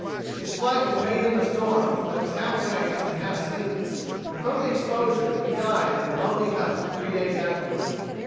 His flight was made in a storm that was half rain and half sleet, and from the exposure he died in the lonely hut three days afterward.